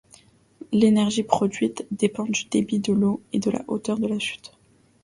L'énergie produite dépend du débit de l'eau et de la hauteur de la chute.